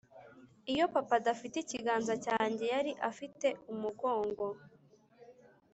“iyo papa adafite ikiganza cyanjye, yari afite umugongo.”